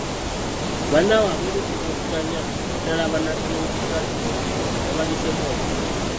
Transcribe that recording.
Bannaabwe ab’oludda oluvuganya naddala aba National Unity Platform baabaliddemu olukwe .